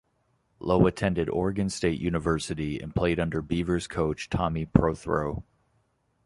Lowe attended Oregon State University and played under Beavers coach Tommy Prothro.